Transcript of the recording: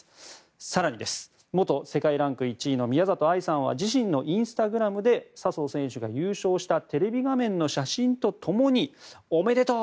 更に、元世界ランク１位の宮里藍さんは自身のインスタグラムで笹生選手が優勝したテレビ画面の写真とともにおめでとう！